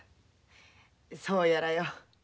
そうやらよ。